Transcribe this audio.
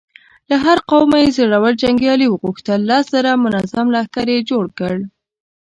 له هر قومه يې زړور جنګيالي وغوښتل، لس زره منظم لښکر يې جوړ کړ.